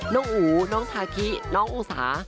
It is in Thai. น้องอู๋น้องทาคิน้องอุ๋สา